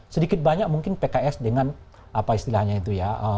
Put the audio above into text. sedikit banyak mungkin pks dengan apa istilahnya itu ya